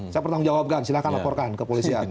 saya pertanggung jawab kan silahkan laporkan ke polisian